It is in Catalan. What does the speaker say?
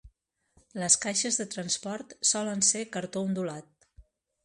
Les caixes de transport solen ser Cartó ondulat.